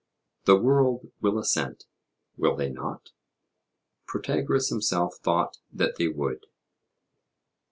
The world will assent, will they not? Protagoras himself thought that they would.